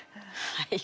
はい。